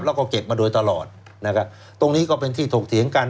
แล้วก็เก็บมาโดยตลอดนะครับตรงนี้ก็เป็นที่ถกเถียงกัน